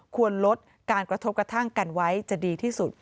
ควรลดการกระทบกระทั่งกันไว้จะดีที่สุด